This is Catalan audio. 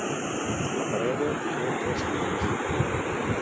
La parella tingué tres filles.